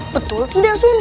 betul tidak sun